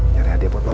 nyari hadiah buat mama